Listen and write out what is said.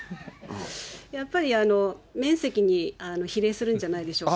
やっぱり面積に比例するんじゃないでしょうか。